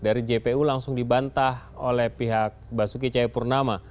dari jpu langsung dibantah oleh pihak basuki cahayapurnama